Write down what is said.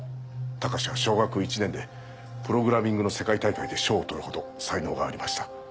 隆は小学１年でプログラミングの世界大会で賞を取るほど才能がありました。